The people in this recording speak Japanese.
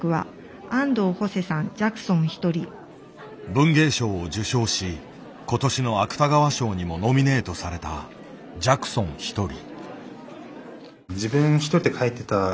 文藝賞を受賞し今年の芥川賞にもノミネートされた「ジャクソンひとり」。